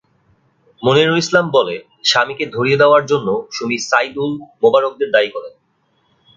মনিরুল ইসলাম বলে, স্বামীকে ধরিয়ে দেওয়ার জন্য সুমি সাইদুল, মোবারকদের দায়ী করেন।